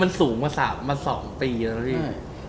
มันสูงประมาณ๒ปีแล้วสิ